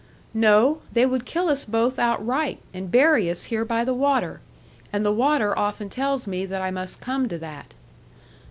'No. They would kill us both outright, and bury us here by the water; and the water often tells me that I must come to that.'